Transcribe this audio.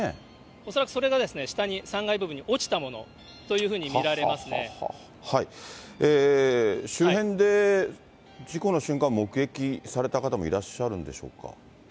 恐らくそれが下に３階部分に落ちたものというふうに見られま周辺で事故の瞬間、目撃された方もいらっしゃるんでしょうか。